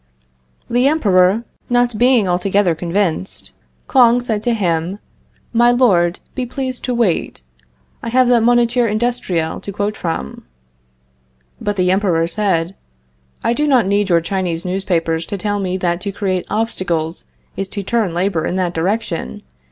The Emperor not being altogether convinced, Kouang said to him: "My Lord, be pleased to wait. I have the Moniteur Industriel to quote from." But the Emperor said: "I do not need your Chinese newspapers to tell me that to create obstacles is to turn labor in that direction.